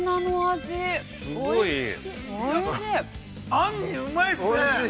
◆杏仁うまいっすね。